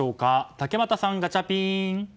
竹俣さん、ガチャピン！